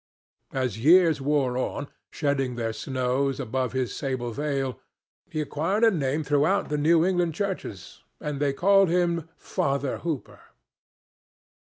As years wore on, shedding their snows above his sable veil, he acquired a name throughout the New England churches, and they called him Father Hooper.